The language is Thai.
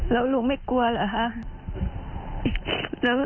แล้วลูกไม่กลัวหรือครับ